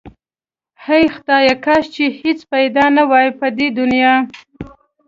هی خدایا کاش چې هیڅ پیدا نه واي په دی دنیا